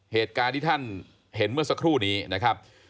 เหตุการณ์ที่ท่านเห็นเมื่อสักครู่นี้นะครับ